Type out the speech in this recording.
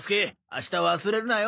明日忘れるなよ！